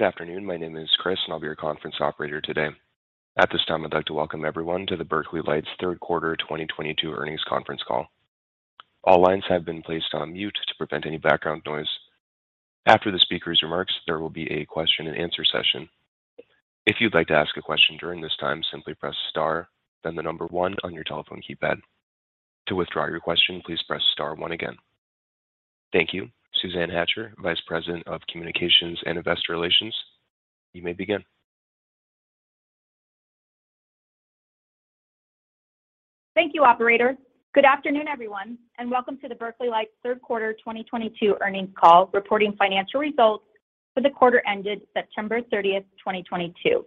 Good afternoon. My name is Chris, and I'll be your conference operator today. At this time, I'd like to welcome everyone to the Berkeley Lights Third Quarter 2022 Earnings Conference Call. All lines have been placed on mute to prevent any background noise. After the speaker's remarks, there will be a question and answer session. If you'd like to ask a question during this time, simply press star then the number one on your telephone keypad. To withdraw your question, please press star one again. Thank you. Suzanne Hatcher, Vice President of Communications and Investor Relations, you may begin. Thank you, operator. Good afternoon, everyone, and welcome to the Berkeley Lights third quarter 2022 earnings call, reporting financial results for the quarter ended September 30, 2022.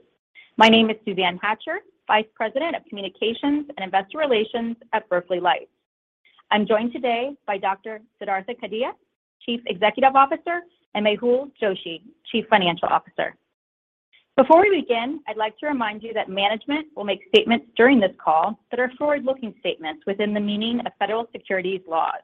My name is Suzanne Hatcher, Vice President of Communications and Investor Relations at Berkeley Lights. I'm joined today by Dr. Siddhartha Kadia, Chief Executive Officer, and Mehul Joshi, Chief Financial Officer. Before we begin, I'd like to remind you that management will make statements during this call that are forward-looking statements within the meaning of federal securities laws.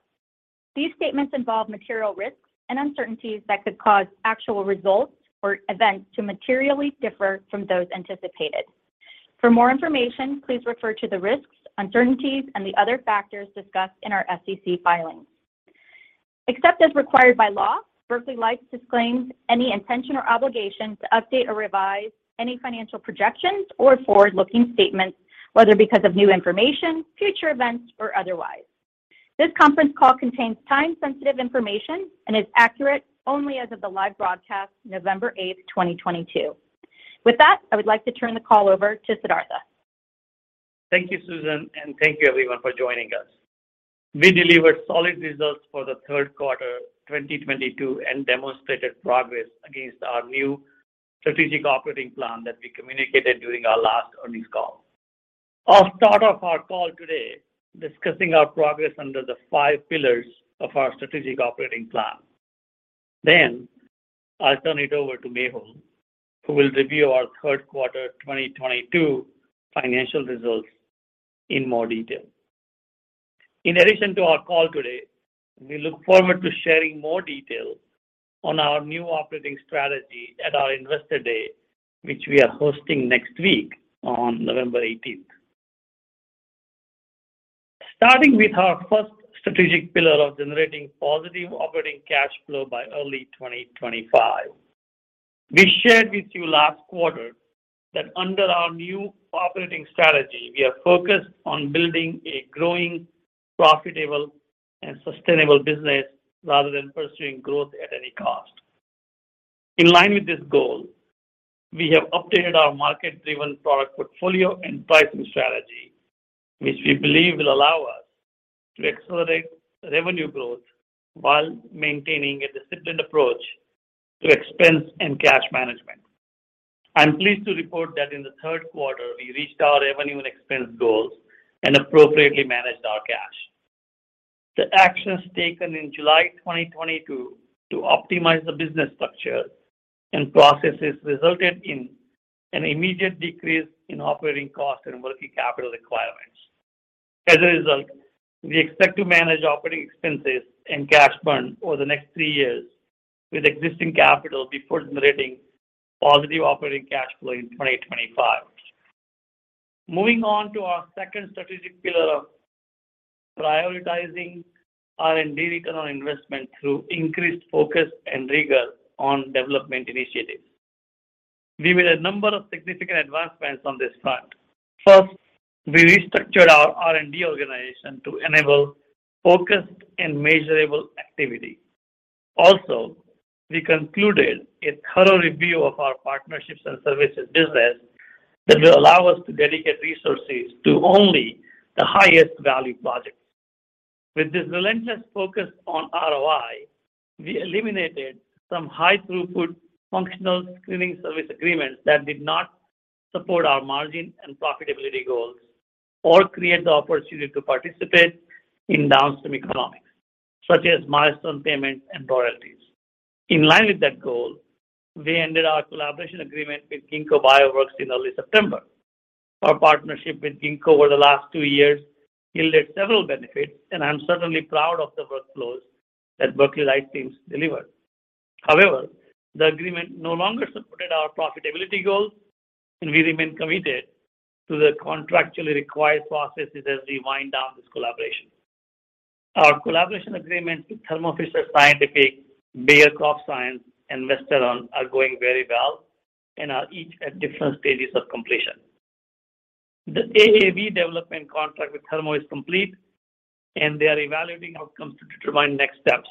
These statements involve material risks and uncertainties that could cause actual results or events to materially differ from those anticipated. For more information, please refer to the risks, uncertainties, and the other factors discussed in our SEC filings. Except as required by law, Berkeley Lights disclaims any intention or obligation to update or revise any financial projections or forward-looking statements, whether because of new information, future events, or otherwise. This conference call contains time-sensitive information and is accurate only as of the live broadcast, November 8, 2022. With that, I would like to turn the call over to Siddhartha. Thank you, Suzanne, and thank you everyone for joining us. We delivered solid results for the third quarter 2022 and demonstrated progress against our new strategic operating plan that we communicated during our last earnings call. I'll start off our call today discussing our progress under the five pillars of our strategic operating plan. Then I'll turn it over to Mehul, who will review our third quarter 2022 financial results in more detail. In addition to our call today, we look forward to sharing more detail on our new operating strategy at our Investor Day, which we are hosting next week on November 18. Starting with our first strategic pillar of generating positive operating cash flow by early 2025. We shared with you last quarter that under our new operating strategy, we are focused on building a growing, profitable, and sustainable business rather than pursuing growth at any cost. In line with this goal, we have updated our market-driven product portfolio and pricing strategy, which we believe will allow us to accelerate revenue growth while maintaining a disciplined approach to expense and cash management. I'm pleased to report that in the third quarter, we reached our revenue and expense goals and appropriately managed our cash. The actions taken in July 2022 to optimize the business structure and processes resulted in an immediate decrease in operating costs and working capital requirements. As a result, we expect to manage operating expenses and cash burn over the next three years with existing capital before generating positive operating cash flow in 2025. Moving on to our second strategic pillar of prioritizing R&D return on investment through increased focus and rigor on development initiatives. We made a number of significant advancements on this front. First, we restructured our R&D organization to enable focused and measurable activity. Also, we concluded a thorough review of our partnerships and services business that will allow us to dedicate resources to only the highest value projects. With this relentless focus on ROI, we eliminated some high-throughput functional screening service agreements that did not support our margin and profitability goals or create the opportunity to participate in downstream economics, such as milestone payments and royalties. In line with that goal, we ended our collaboration agreement with Ginkgo Bioworks in early September. Our partnership with Ginkgo over the last two years yielded several benefits, and I'm certainly proud of the workflows that Berkeley Lights teams delivered. However, the agreement no longer supported our profitability goals, and we remain committed to the contractually required processes as we wind down this collaboration. Our collaboration agreement with Thermo Fisher Scientific, Bayer CropScience, and Visterra are going very well and are each at different stages of completion. The AAV development contract with Thermo is complete, and they are evaluating outcomes to determine next steps.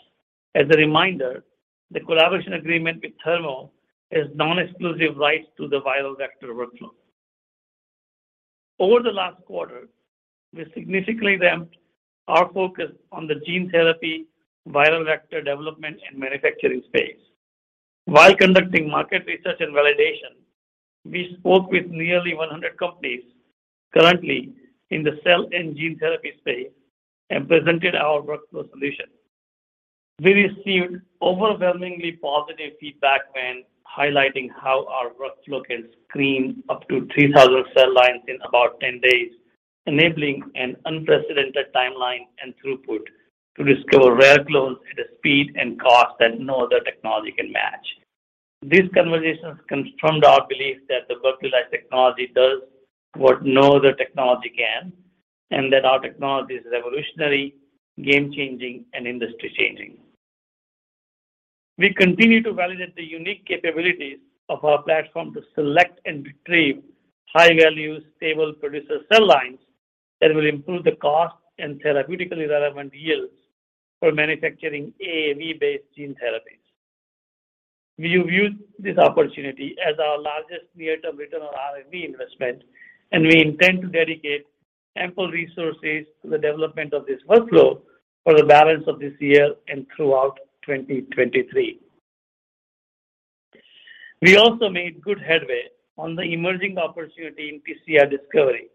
As a reminder, the collaboration agreement with Thermo is non-exclusive rights to the viral vector workflow. Over the last quarter, we significantly ramped our focus on the gene therapy viral vector development and manufacturing space. While conducting market research and validation, we spoke with nearly 100 companies currently in the cell and gene therapy space and presented our workflow solution. We received overwhelmingly positive feedback when highlighting how our workflow can screen up to 3,000 cell lines in about 10 days. Enabling an unprecedented timeline and throughput to discover rare clones at a speed and cost that no other technology can match. These conversations confirmed our belief that the Berkeley Lights technology does what no other technology can, and that our technology is revolutionary, game-changing, and industry-changing. We continue to validate the unique capabilities of our platform to select and retrieve high-value, stable producer cell lines that will improve the cost and therapeutically relevant yields for manufacturing AAV-based gene therapies. We view this opportunity as our largest near-term return on R&D investment, and we intend to dedicate ample resources to the development of this workflow for the balance of this year and throughout 2023. We also made good headway on the emerging opportunity in TCR discovery.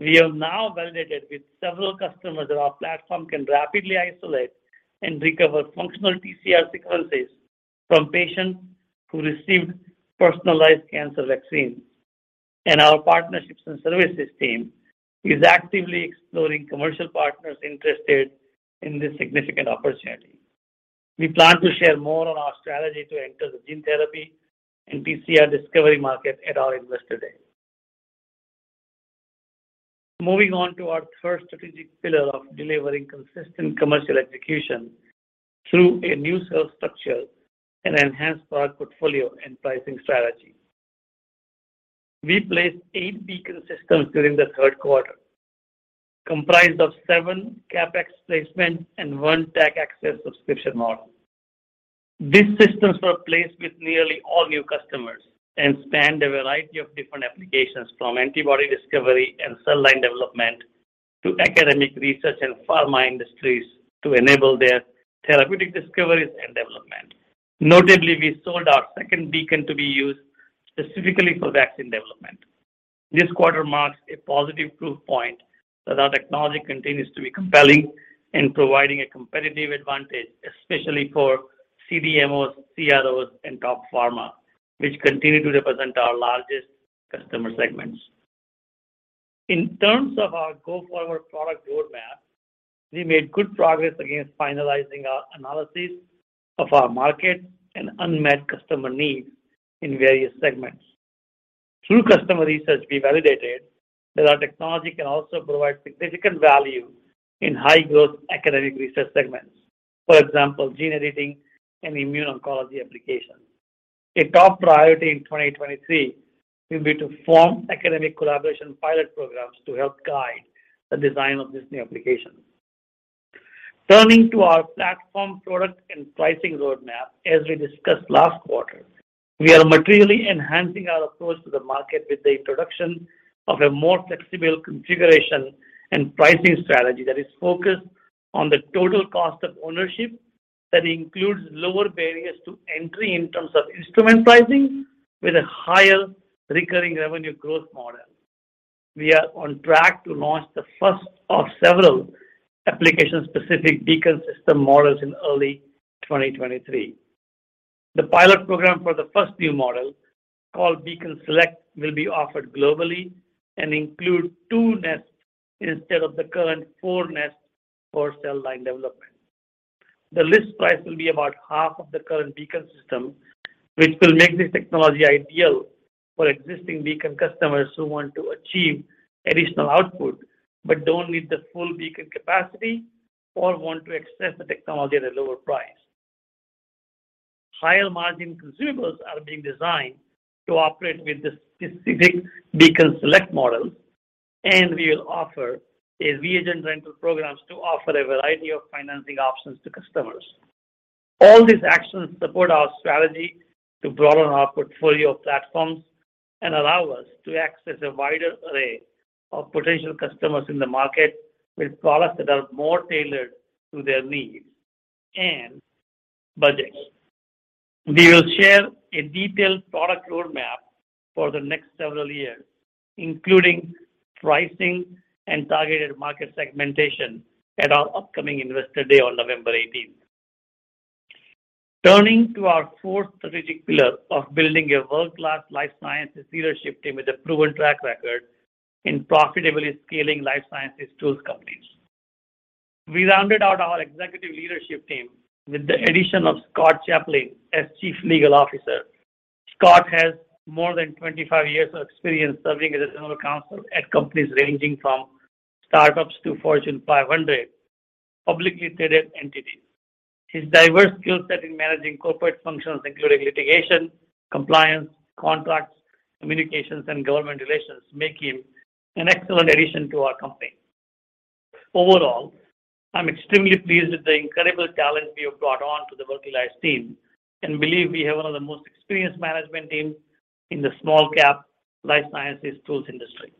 We have now validated with several customers that our platform can rapidly isolate and recover functional TCR sequences from patients who received personalized cancer vaccines. Our partnerships and services team is actively exploring commercial partners interested in this significant opportunity. We plan to share more on our strategy to enter the gene therapy and TCR discovery market at our Investor Day. Moving on to our third strategic pillar of delivering consistent commercial execution through a new sales structure and enhanced product portfolio and pricing strategy. We placed 8 Beacon systems during the third quarter, comprised of 7 CapEx placements and 1 tech access subscription model. These systems were placed with nearly all new customers and spanned a variety of different applications, from antibody discovery and cell line development to academic research and pharma industries to enable their therapeutic discoveries and development. Notably, we sold our second Beacon to be used specifically for vaccine development. This quarter marks a positive proof point that our technology continues to be compelling in providing a competitive advantage, especially for CDMOs, CROs, and top pharma, which continue to represent our largest customer segments. In terms of our go-forward product roadmap, we made good progress against finalizing our analysis of our market and unmet customer needs in various segments. Through customer research, we validated that our technology can also provide significant value in high-growth academic research segments, for example, gene editing and immune oncology applications. A top priority in 2023 will be to form academic collaboration pilot programs to help guide the design of these new applications. Turning to our platform product and pricing roadmap. As we discussed last quarter, we are materially enhancing our approach to the market with the introduction of a more flexible configuration and pricing strategy that is focused on the total cost of ownership that includes lower barriers to entry in terms of instrument pricing with a higher recurring revenue growth model. We are on track to launch the first of several application-specific Beacon system models in early 2023. The pilot program for the first new model, called Beacon Select, will be offered globally and include 2 nests instead of the current 4 nests for cell line development. The list price will be about half of the current Beacon system, which will make this technology ideal for existing Beacon customers who want to achieve additional output but don't need the full Beacon capacity or want to access the technology at a lower price. Higher-margin consumables are being designed to operate with this specific Beacon Select model, and we will offer a reagent rental programs to offer a variety of financing options to customers. All these actions support our strategy to broaden our portfolio of platforms and allow us to access a wider array of potential customers in the market with products that are more tailored to their needs and budgets. We will share a detailed product roadmap for the next several years, including pricing and targeted market segmentation at our upcoming Investor Day on November eighteenth. Turning to our fourth strategic pillar of building a world-class life sciences leadership team with a proven track record in profitably scaling life sciences tools companies. We rounded out our executive leadership team with the addition of Scott Chaplin as Chief Legal Officer. Scott has more than 25 years of experience serving as a general counsel at companies ranging from startups to Fortune 500 publicly traded entities. His diverse skill set in managing corporate functions including litigation, compliance, contracts, communications, and government relations make him an excellent addition to our company. Overall, I'm extremely pleased with the incredible talent we have brought on to the Berkeley Lights team and believe we have one of the most experienced management teams in the small-cap life sciences tools industry.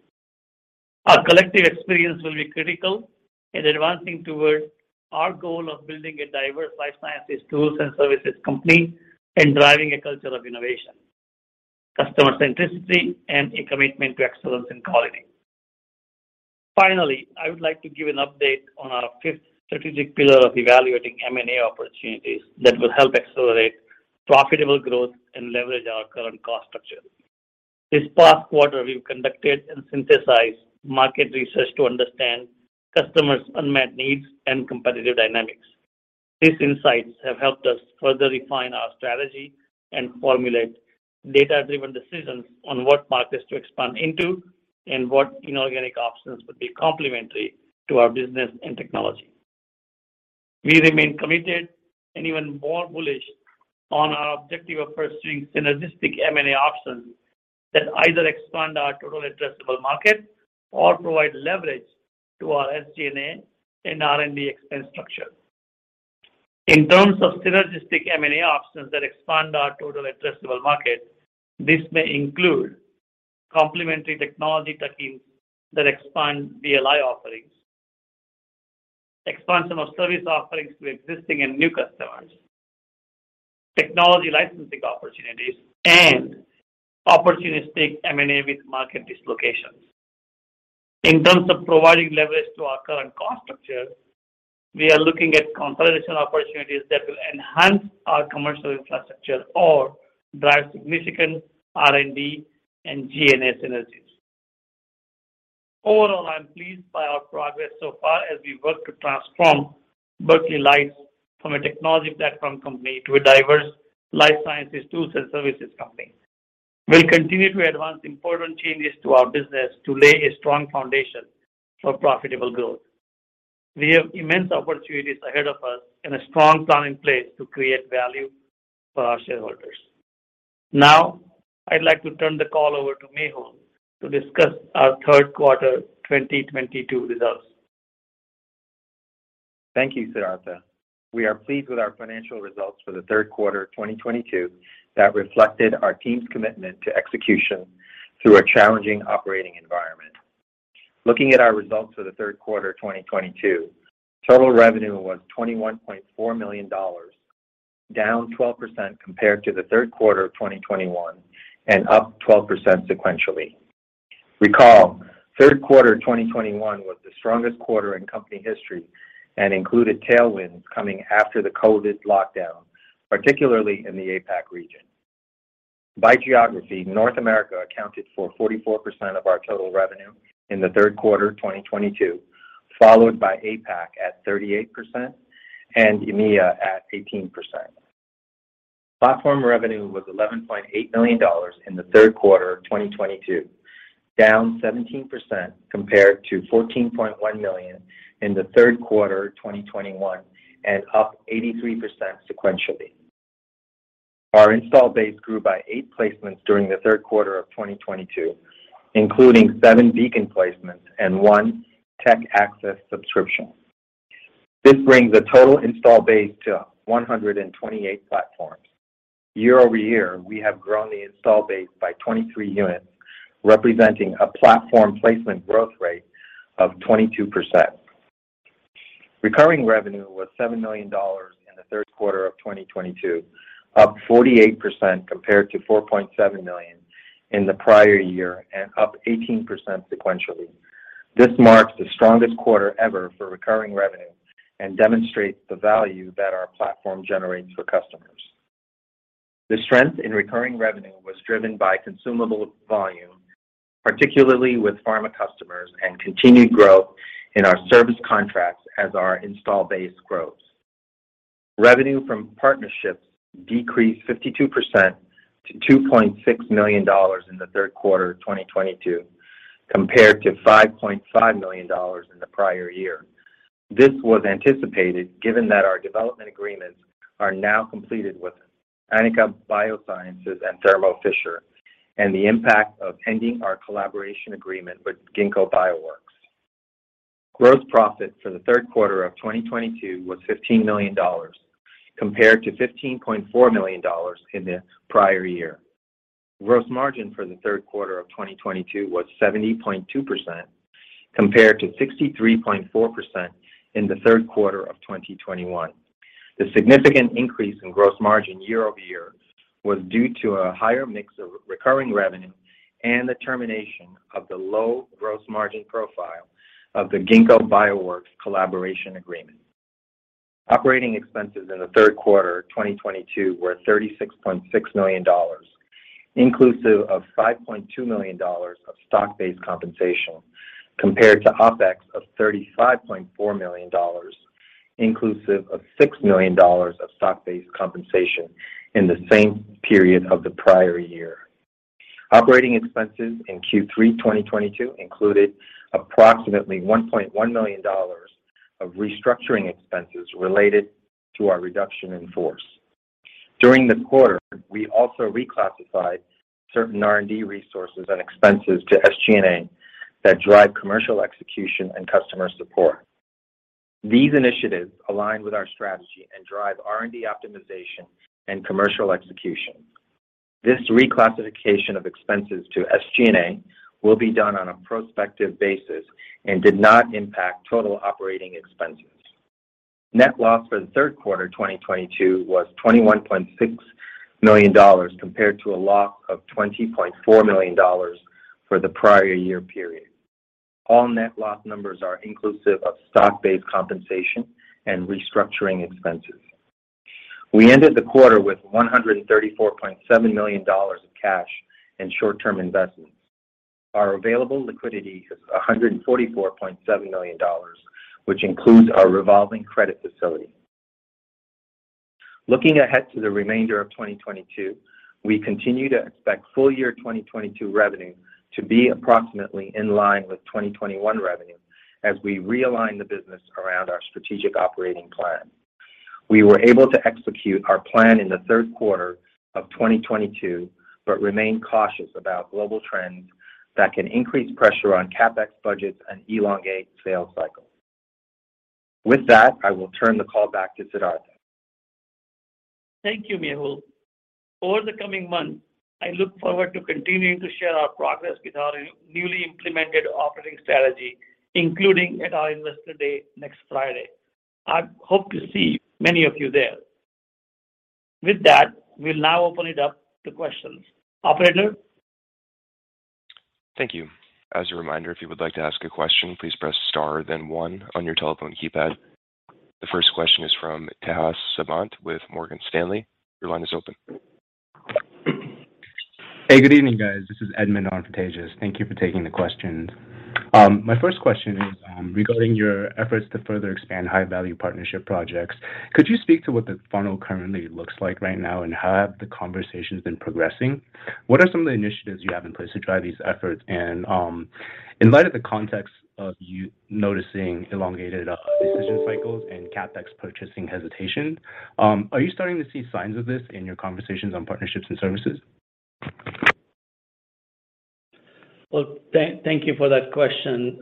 Our collective experience will be critical in advancing towards our goal of building a diverse life sciences tools and services company and driving a culture of innovation, customer centricity, and a commitment to excellence and quality. Finally, I would like to give an update on our fifth strategic pillar of evaluating M&A opportunities that will help accelerate profitable growth and leverage our current cost structure. This past quarter, we've conducted and synthesized market research to understand customers' unmet needs and competitive dynamics. These insights have helped us further refine our strategy and formulate data-driven decisions on what markets to expand into and what inorganic options would be complementary to our business and technology. We remain committed and even more bullish on our objective of pursuing synergistic M&A options that either expand our total addressable market or provide leverage to our SG&A and R&D expense structure. In terms of synergistic M&A options that expand our total addressable market, this may include complementary technology tuck-ins that expand BLI offerings, expansion of service offerings to existing and new customers, technology licensing opportunities, and opportunistic M&A with market dislocations. In terms of providing leverage to our current cost structure, we are looking at consolidation opportunities that will enhance our commercial infrastructure or drive significant R&D and G&A synergies. Overall, I'm pleased by our progress so far as we work to transform Berkeley Lights from a technology platform company to a diverse life sciences tools and services company. We'll continue to advance important changes to our business to lay a strong foundation for profitable growth. We have immense opportunities ahead of us and a strong plan in place to create value for our shareholders. Now, I'd like to turn the call over to Mehul Joshi to discuss our third quarter 2022 results. Thank you, Siddhartha. We are pleased with our financial results for the third quarter of 2022 that reflected our team's commitment to execution through a challenging operating environment. Looking at our results for the third quarter of 2022, total revenue was $21.4 million, down 12% compared to the third quarter of 2021 and up 12% sequentially. Recall, third quarter of 2021 was the strongest quarter in company history and included tailwinds coming after the COVID lockdown, particularly in the APAC region. By geography, North America accounted for 44% of our total revenue in the third quarter of 2022, followed by APAC at 38% and EMEA at 18%. Platform revenue was $11.8 million in the third quarter of 2022, down 17% compared to $14.1 million in the third quarter of 2021 and up 83% sequentially. Our install base grew by 8 placements during the third quarter of 2022, including 7 Beacon placements and 1 tech access subscription. This brings the total install base to 128 platforms. Year over year, we have grown the install base by 23 units, representing a platform placement growth rate of 22%. Recurring revenue was $7 million in the third quarter of 2022, up 48% compared to $4.7 million in the prior year and up 18% sequentially. This marks the strongest quarter ever for recurring revenue and demonstrates the value that our platform generates for customers. The strength in recurring revenue was driven by consumable volume, particularly with pharma customers and continued growth in our service contracts as our install base grows. Revenue from partnerships decreased 52% to $2.6 million in the third quarter of 2022 compared to $5.5 million in the prior year. This was anticipated given that our development agreements are now completed with Aanika Biosciences and Thermo Fisher, and the impact of ending our collaboration agreement with Ginkgo Bioworks. Gross profit for the third quarter of 2022 was $15 million compared to $15.4 million in the prior year. Gross margin for the third quarter of 2022 was 70.2% compared to 63.4% in the third quarter of 2021. The significant increase in gross margin year-over-year was due to a higher mix of recurring revenue and the termination of the low gross margin profile of the Ginkgo Bioworks collaboration agreement. Operating expenses in the third quarter of 2022 were $36.6 million, inclusive of $5.2 million of stock-based compensation, compared to OpEx of $35.4 million, inclusive of $6 million of stock-based compensation in the same period of the prior year. Operating expenses in Q3 2022 included approximately $1.1 million of restructuring expenses related to our reduction in force. During the quarter, we also reclassified certain R&D resources and expenses to SG&A that drive commercial execution and customer support. These initiatives align with our strategy and drive R&D optimization and commercial execution. This reclassification of expenses to SG&A will be done on a prospective basis and did not impact total operating expenses. Net loss for the third quarter of 2022 was $21.6 million compared to a loss of $20.4 million for the prior year period. All net loss numbers are inclusive of stock-based compensation and restructuring expenses. We ended the quarter with $134.7 million of cash and short-term investments. Our available liquidity is $144.7 million, which includes our revolving credit facility. Looking ahead to the remainder of 2022, we continue to expect full year 2022 revenue to be approximately in line with 2021 revenue as we realign the business around our strategic operating plan. We were able to execute our plan in the third quarter of 2022, but remain cautious about global trends that can increase pressure on CapEx budgets and elongate sales cycles. With that, I will turn the call back to Siddhartha. Thank you, Mehul. Over the coming months, I look forward to continuing to share our progress with our newly implemented operating strategy, including at our Investor Day next Friday. I hope to see many of you there. With that, we'll now open it up to questions. Operator. Thank you. As a reminder, if you would like to ask a question, please press star then one on your telephone keypad. The first question is from Tejas Savant with Morgan Stanley. Your line is open. Hey, good evening, guys. This is Edmond on for Tejas. Thank you for taking the questions. My first question is regarding your efforts to further expand high-value partnership projects. Could you speak to what the funnel currently looks like right now, and how have the conversations been progressing? What are some of the initiatives you have in place to drive these efforts? In light of the context of you noticing elongated decision cycles and CapEx purchasing hesitation, are you starting to see signs of this in your conversations on partnerships and services? Well, thank you for that question.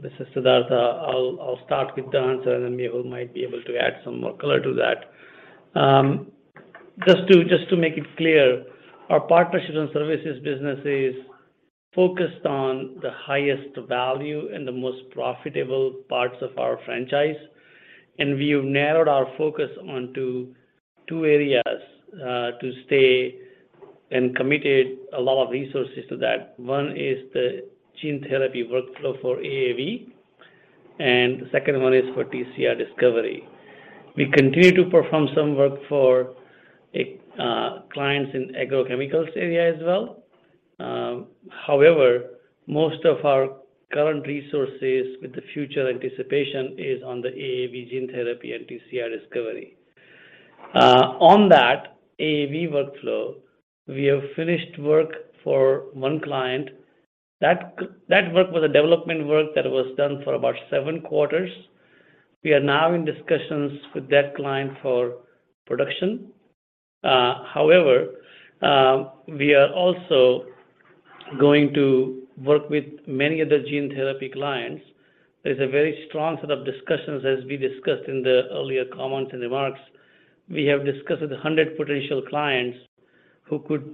This is Siddhartha. I'll start with the answer, and then Mehul might be able to add some more color to that. Just to make it clear, our partnerships and services business is focused on the highest value and the most profitable parts of our franchise, and we've narrowed our focus onto two areas, and committed a lot of resources to that. One is the gene therapy workflow for AAV, and the second one is for TCR discovery. We continue to perform some work for clients in agrochemicals area as well. However, most of our current resources and future anticipation is on the AAV gene therapy and TCR discovery. On that AAV workflow, we have finished work for one client. That work was a development work that was done for about 7 quarters. We are now in discussions with that client for production. However, we are also going to work with many other gene therapy clients. There's a very strong set of discussions, as we discussed in the earlier comments and remarks. We have discussed with 100 potential clients who could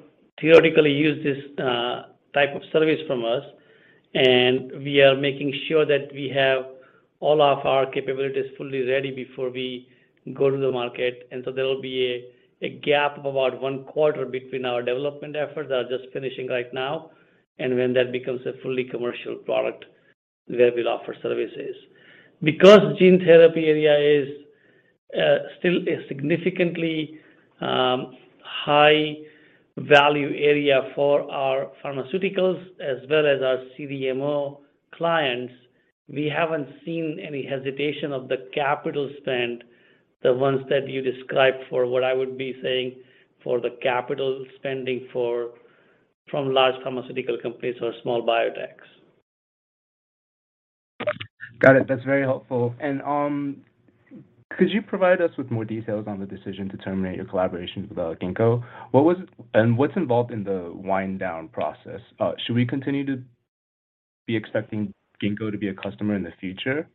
theoretically use this type of service from us, and we are making sure that we have all of our capabilities fully ready before we go to the market. There will be a gap of about 1 quarter between our development efforts that are just finishing right now and when that becomes a fully commercial product where we'll offer services. Because gene therapy area is still a significantly high value area for our pharmaceuticals as well as our CDMO clients, we haven't seen any hesitation of the capital spend, the ones that you described for what I would be saying for the capital spending for from large pharmaceutical companies or small biotechs. Got it. That's very helpful. Could you provide us with more details on the decision to terminate your collaboration with Ginkgo? What's involved in the wind down process? Should we continue to be expecting Ginkgo to be a customer in the future?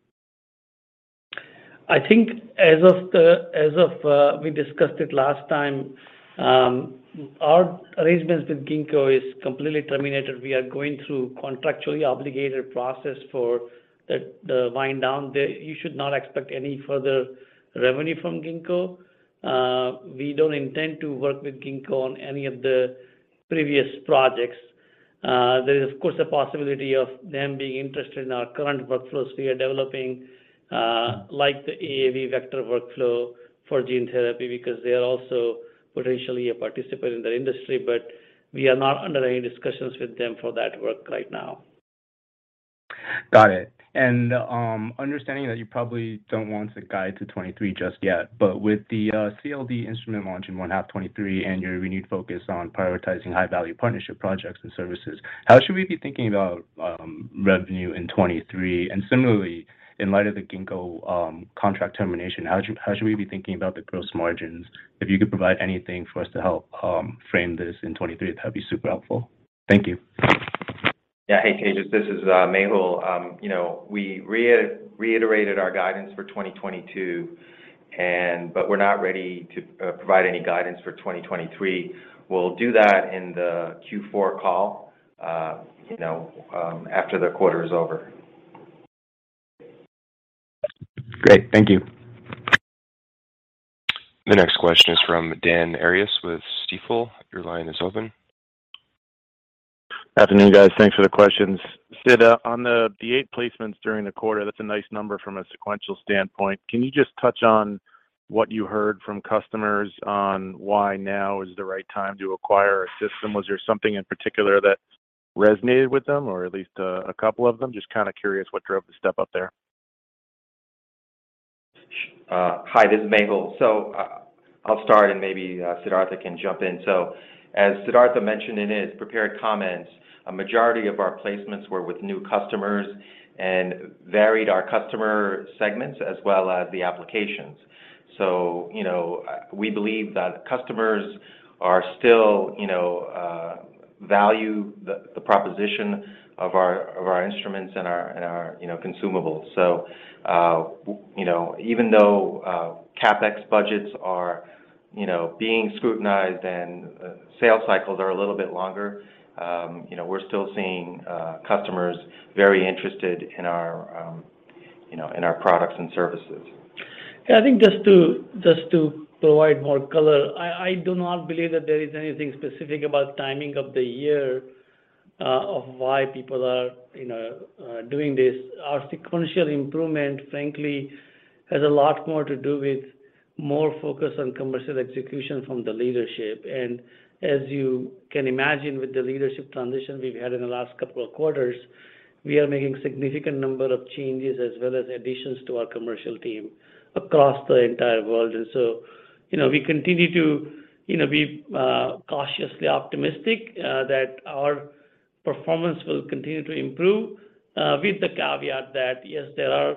I think as of we discussed it last time, our arrangements with Ginkgo is completely terminated. We are going through contractually obligated process for the wind down. You should not expect any further revenue from Ginkgo. We don't intend to work with Ginkgo on any of the previous projects. There is, of course, a possibility of them being interested in our current workflows we are developing, like the AAV vector workflow for gene therapy, because they are also potentially a participant in that industry, but we are not under any discussions with them for that work right now. Got it. Understanding that you probably don't want to guide to 2023 just yet, but with the CLD instrument launch in one half 2023 and your renewed focus on prioritizing high-value partnership projects and services, how should we be thinking about revenue in 2023? Similarly, in light of the Ginkgo contract termination, how should we be thinking about the gross margins? If you could provide anything for us to help frame this in 2023, that'd be super helpful. Thank you. Yeah. Hey, Tejas. This is Mehul. You know, we reiterated our guidance for 2022 but we're not ready to provide any guidance for 2023. We'll do that in the Q4 call, you know, after the quarter is over. Great. Thank you. The next question is from Dan Arias with Stifel. Your line is open. Afternoon, guys. Thanks for the questions. Sid, on the eight placements during the quarter, that's a nice number from a sequential standpoint. Can you just touch on what you heard from customers on why now is the right time to acquire a system? Was there something in particular that resonated with them, or at least a couple of them? Just kind of curious what drove the step up there. Hi, this is Mehul. I'll start, and maybe Siddhartha can jump in. As Siddhartha mentioned in his prepared comments, a majority of our placements were with new customers and varied our customer segments as well as the applications. You know, we believe that customers still value the proposition of our instruments and our consumables. You know, even though CapEx budgets are being scrutinized and sales cycles are a little bit longer, you know, we're still seeing customers very interested in our products and services. Yeah. I think just to provide more color, I do not believe that there is anything specific about timing of the year of why people are, you know, doing this. Our sequential improvement, frankly, has a lot more to do with more focus on commercial execution from the leadership. As you can imagine with the leadership transition we've had in the last couple of quarters, we are making significant number of changes as well as additions to our commercial team across the entire world. You know, we continue to, you know, be cautiously optimistic that our performance will continue to improve with the caveat that yes, there are,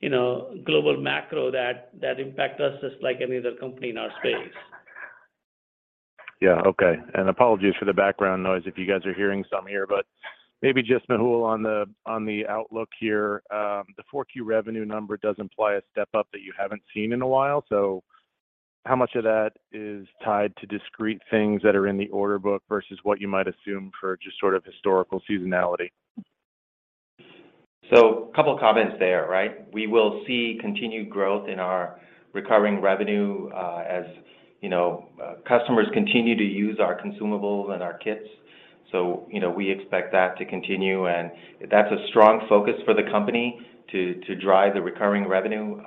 you know, global macro that impact us just like any other company in our space. Apologies for the background noise if you guys are hearing some here. Maybe just Mehul on the outlook here. The 4Q revenue number does imply a step up that you haven't seen in a while. How much of that is tied to discrete things that are in the order book versus what you might assume for just sort of historical seasonality? Couple comments there, right? We will see continued growth in our recurring revenue as you know customers continue to use our consumables and our kits. You know, we expect that to continue, and that's a strong focus for the company to drive the recurring revenue.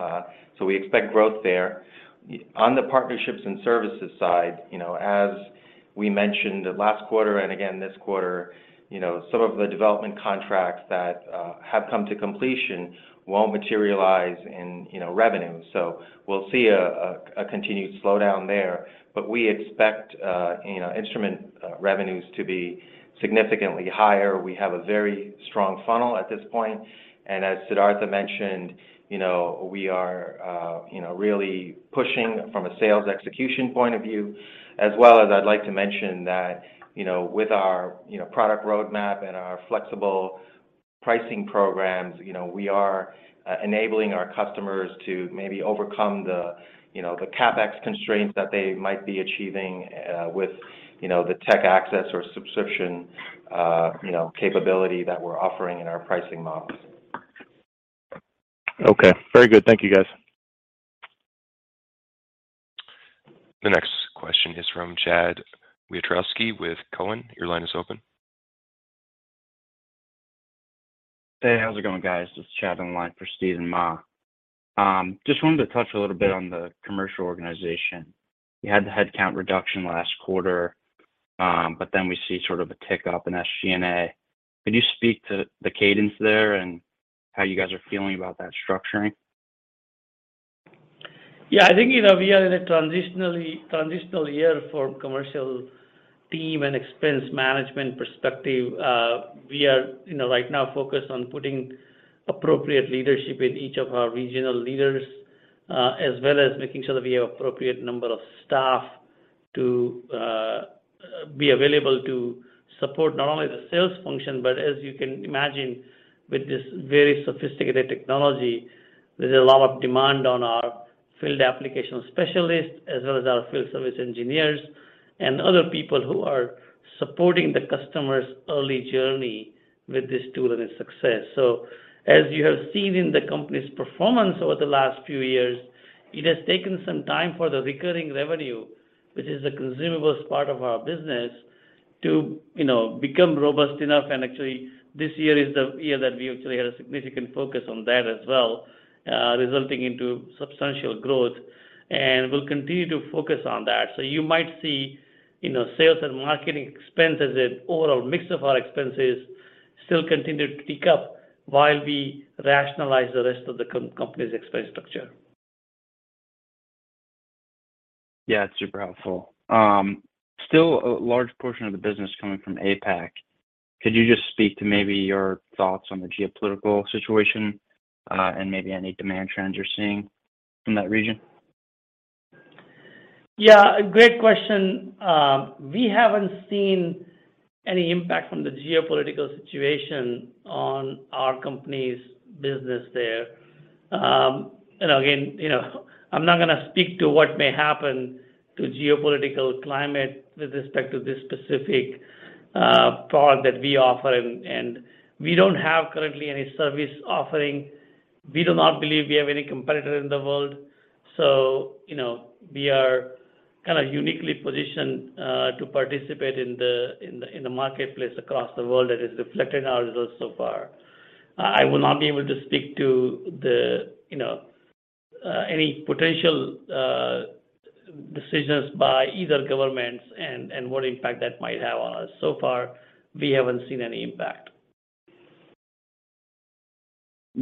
We expect growth there. On the partnerships and services side, you know, as we mentioned last quarter and again this quarter, you know, some of the development contracts that have come to completion won't materialize in you know revenue. We'll see a continued slowdown there. But we expect you know instrument revenues to be significantly higher. We have a very strong funnel at this point, and as Siddhartha mentioned, you know, we are you know really pushing from a sales execution point of view. As well as I'd like to mention that, you know, with our, you know, product roadmap and our flexible pricing programs, you know, we are enabling our customers to maybe overcome the, you know, the CapEx constraints that they might be achieving, with, you know, the tech access or subscription, you know, capability that we're offering in our pricing models. Okay. Very good. Thank you, guys. The next question is from Chad Wiatrowski with Cowen. Your line is open. Hey, how's it going, guys? This is Chad on the line for Steven Mah. Just wanted to touch a little bit on the commercial organization. You had the headcount reduction last quarter, but then we see sort of a tick up in SG&A. Could you speak to the cadence there and how you guys are feeling about that structuring? Yeah. I think, you know, we are in a transitional year for commercial team and expense management perspective. We are, you know, right now focused on putting appropriate leadership in each of our regional leaders, as well as making sure that we have appropriate number of staff to be available to support not only the sales function, but as you can imagine with this very sophisticated technology, there's a lot of demand on our field application specialists as well as our field service engineers and other people who are supporting the customer's early journey with this tool and its success. As you have seen in the company's performance over the last few years, it has taken some time for the recurring revenue, which is the consumables part of our business, to, you know, become robust enough. Actually, this year is the year that we actually had a significant focus on that as well, resulting into substantial growth, and we'll continue to focus on that. You might see, you know, sales and marketing expenses and overall mix of our expenses still continue to tick up while we rationalize the rest of the company's expense structure. Yeah. It's super helpful. Still a large portion of the business coming from APAC. Could you just speak to maybe your thoughts on the geopolitical situation, and maybe any demand trends you're seeing from that region? Yeah. Great question. We haven't seen any impact from the geopolitical situation on our company's business there. Again, you know, I'm not gonna speak to what may happen to geopolitical climate with respect to this specific product that we offer. We don't have currently any service offering. We do not believe we have any competitor in the world. You know, we are kind of uniquely positioned to participate in the marketplace across the world that is reflected in our results so far. I will not be able to speak to the, you know, any potential decisions by either governments and what impact that might have on us. So far, we haven't seen any impact.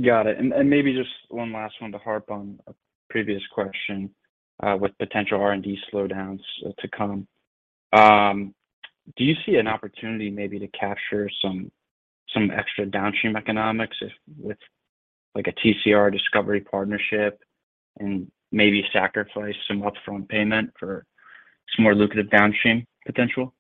Got it. Maybe just one last one to harp on a previous question, with potential R&D slowdowns to come. Do you see an opportunity maybe to capture some extra downstream economics if with like a TCR discovery partnership and maybe sacrifice some upfront payment for some more lucrative downstream potential?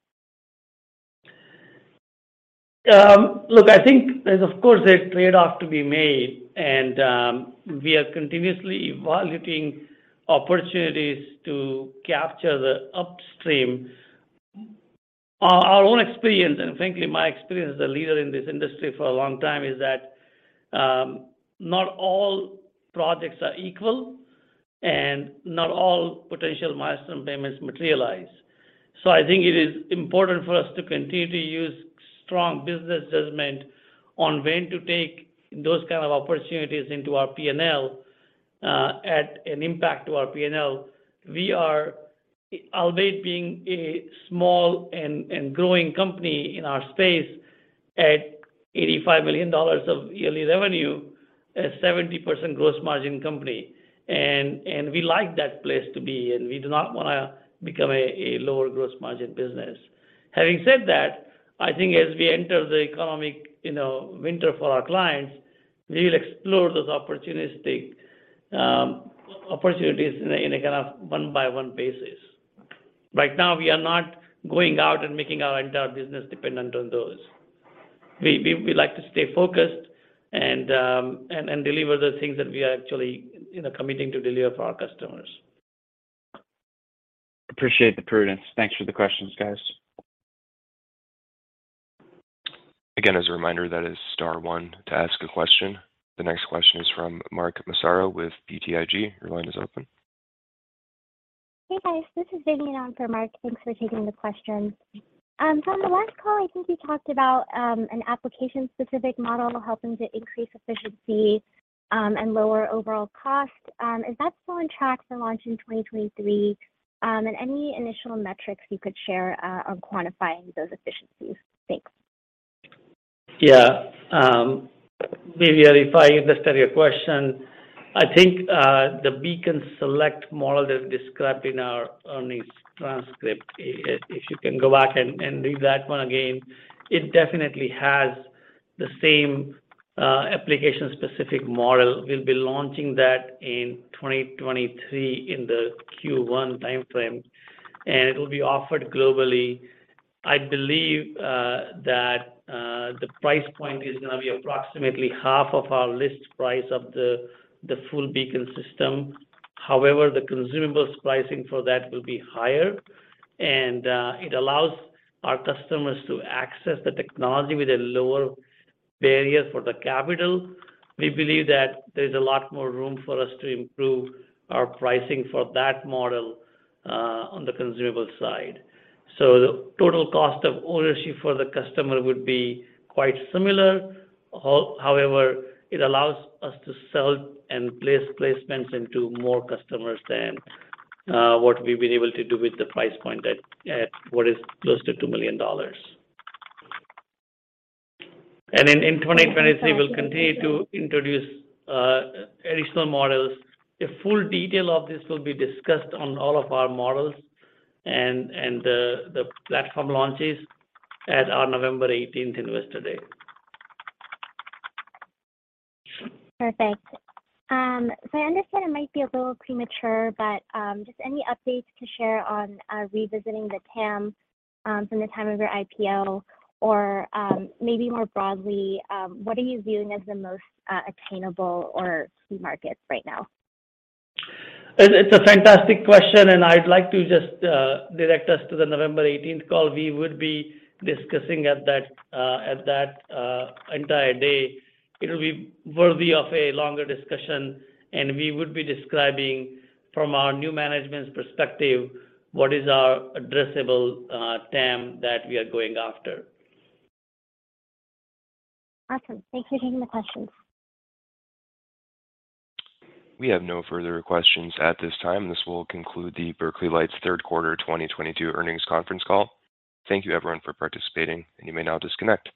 Look, I think there's of course a trade-off to be made, and we are continuously evaluating opportunities to capture the upstream. Our own experience, and frankly my experience as a leader in this industry for a long time is that not all projects are equal and not all potential milestone payments materialize. I think it is important for us to continue to use strong business judgment on when to take those kind of opportunities into our P&L at an impact to our P&L. We are, albeit being a small and growing company in our space at $85 million of yearly revenue, a 70% gross margin company. We like that place to be, and we do not wanna become a lower gross margin business. Having said that, I think as we enter the economic, you know, winter for our clients, we'll explore those opportunistic opportunities in a kind of one-by-one basis. Right now, we are not going out and making our entire business dependent on those. We like to stay focused and deliver the things that we are actually, you know, committing to deliver for our customers. Appreciate the prudence. Thanks for the questions, guys. Again, as a reminder, that is star one to ask a question. The next question is from Mark Massaro with BTIG. Your line is open. Hey, guys. This is Vivian on for Mark. Thanks for taking the question. From the last call, I think you talked about an application-specific model helping to increase efficiency and lower overall cost. Is that still on track for launch in 2023? Any initial metrics you could share on quantifying those efficiencies? Thanks. Yeah. Vivian, if I understood your question, I think, the Beacon Select model that is described in our earnings transcript, if you can go back and read that one again, it definitely has the same, application-specific model. We'll be launching that in 2023 in the Q1 timeframe, and it'll be offered globally. I believe, that, the price point is gonna be approximately half of our list price of the full Beacon system. However, the consumables pricing for that will be higher and, it allows our customers to access the technology with a lower barrier for the capital. We believe that there's a lot more room for us to improve our pricing for that model, on the consumable side. The total cost of ownership for the customer would be quite similar. However, it allows us to sell and place placements into more customers than what we've been able to do with the price point at what is close to $2 million. In 2023, we'll continue to introduce additional models. The full detail of this will be discussed on all of our models and the platform launches at our November 18 Investor Day. Perfect. I understand it might be a little premature, but just any updates to share on revisiting the TAM from the time of your IPO or maybe more broadly what are you viewing as the most attainable or key markets right now? It's a fantastic question, and I'd like to just direct us to the November eighteenth call. We would be discussing that entire day. It'll be worthy of a longer discussion, and we would be describing from our new management's perspective what is our addressable TAM that we are going after. Awesome. Thanks for taking the questions. We have no further questions at this time. This will conclude the Berkeley Lights third quarter 2022 earnings conference call. Thank you everyone for participating, and you may now disconnect.